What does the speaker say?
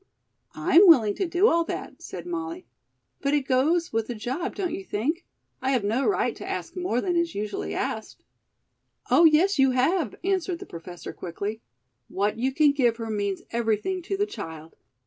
"I'm willing to do all that," said Molly, "but it goes with the job, don't you think? I have no right to ask more than is usually asked." "Oh, yes, you have," answered the Professor quickly. "What you can give her means everything to the child.